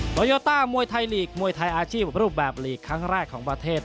รอยโอต้ามวยไทยอาชีพรูปแบบลีกของประเทศของไปชัยชุดทะเบียน